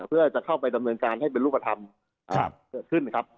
เพื่อจะเข้าไปดำเนินการให้เป็นรูปธรรมเกิดขึ้นครับ